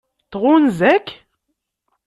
Tɣunza-k?